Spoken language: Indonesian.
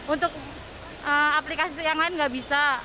untuk aplikasi yang lain nggak bisa